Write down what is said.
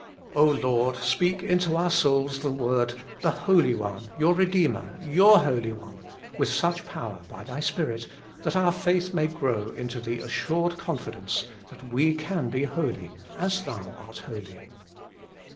Lord ! speak into our souls the word, ' The Holy One, your Eedeemer,' ' Your Holy One,' with such power by Thy Spirit, that our faith may grow into the assured confidence that we can be holy as Thou art holy.